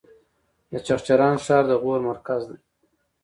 د چغچران ښار د غور مرکز دی